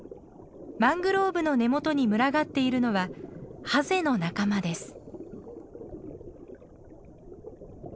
マングローブの根元に群がっているのはハゼの仲間です。